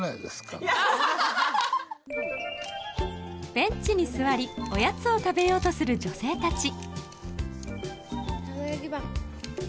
ベンチに座りおやつを食べようとする女性たちたこ焼きパン。